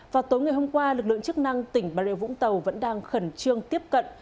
vào tối ngày hôm qua lực lượng chức năng tỉnh bà rịa vũng tàu vẫn đang khẩn trương tiếp cận